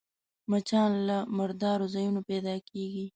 مچان له مردارو ځایونو پيدا کېږي